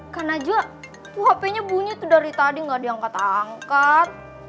kak najwa hpnya bunyi itu dari tadi gak diangkat angkat